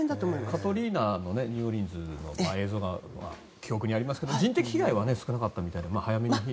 カトリーナのニューオーリンズの映像が記憶にありますが人的被害は少なかったみたいで。